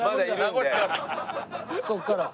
そこから。